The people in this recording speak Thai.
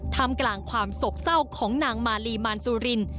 ทำกลางความโศกเศร้าของนางมาลีมารสุริน